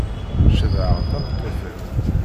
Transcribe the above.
Cedheɣ tameṭṭut-iw.